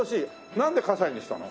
なんで西にしたの？